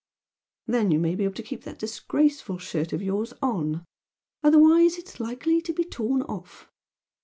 Then you may be able to keep that disgraceful shirt of yours on! Otherwise it's likely to be torn off!